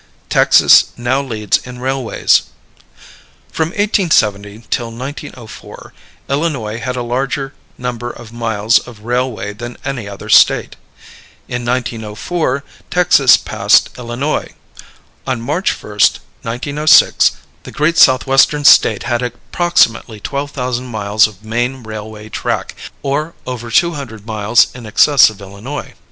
Texas Now Leads in Railways. From 1870 till 1904 Illinois had a larger number of miles of railway than any other State. In 1904 Texas passed Illinois. On March 1, 1906, the great Southwestern State had approximately twelve thousand miles of main railway track, or over two hundred miles in excess of Illinois.